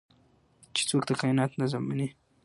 چې څوک د کائنات نظم مني